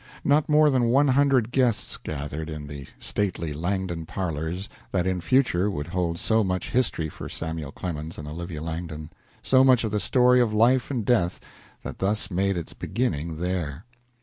Not more than one hundred guests gathered in the stately Langdon parlors that in future would hold so much history for Samuel Clemens and Olivia Langdon so much of the story of life and death that thus made its beginning there.